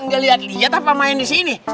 gak lihat lihat apa main di sini